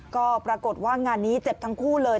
ก็ปรากฏว่างานนี้เจ็บทั้งคู่เลย